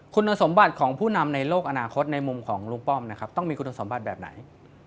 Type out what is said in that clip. คุณสมบัติของผู้นำในโลกอนาคตในมุมของลุงป้อมนะครับต้องมีคุณสมบัติแบบไหน